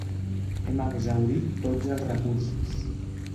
Hem exhaurit tots els recursos.